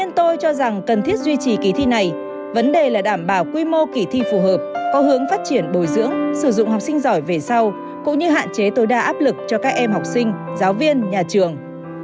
tôi cho rằng cần thiết duy trì kỳ thi này vấn đề là đảm bảo quy mô kỳ thi phù hợp có hướng phát triển bồi dưỡng sử dụng học sinh giỏi về sau cũng như hạn chế tối đa áp lực cho các em học sinh giáo viên nhà trường